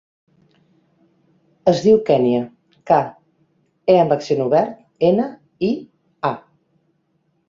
Es diu Kènia: ca, e amb accent obert, ena, i, a.